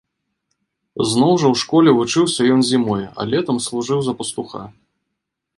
Зноў жа ў школе вучыўся ён зімой, а летам служыў за пастуха.